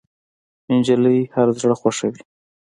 نجلۍ هر زړه خوښوي.